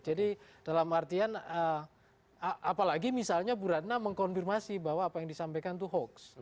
jadi dalam artian apalagi misalnya bu ratna mengkonfirmasi bahwa apa yang disampaikan itu hoaks